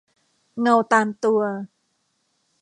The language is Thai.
เงาตามตัว